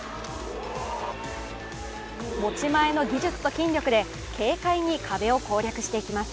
持ち前の技術と筋力で軽快に壁を攻略していきます。